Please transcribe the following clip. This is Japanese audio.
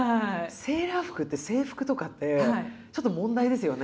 セーラー服って制服とかってちょっと問題ですよね。